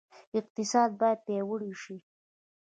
اقتصاد باید پیاوړی شي